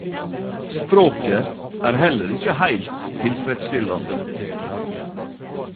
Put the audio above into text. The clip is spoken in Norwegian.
Språket er heller ikkje heilt tilfredsstillande.